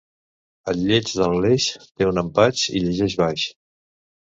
El lleig de l'Aleix té un empatx i llegeix baix.